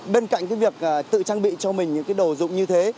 bên cạnh cái việc tự trang bị cho mình những cái đồ dụng như thế